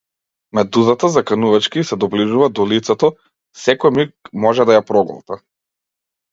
Медузата заканувачки ѝ се доближува до лицето, секој миг може да ја проголта.